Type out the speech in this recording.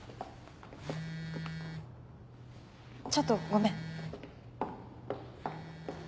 ちょっとごめん。